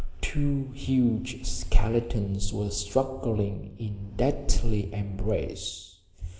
Two huge skeletons were struggling in deadly embrace.